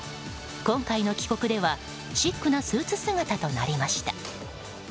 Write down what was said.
今回の帰国ではシックなスーツ姿となりました。